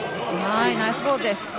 ナイスボールです。